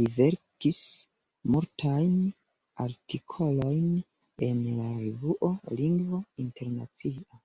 Li verkis multajn artikolojn en la revuo "Lingvo Internacia".